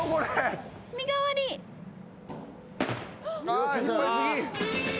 ああ引っ張り過ぎ。